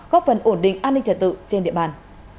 góp phần ổn định an ninh trả tự trên địa bàn